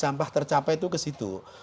sampah tercapai itu ke situ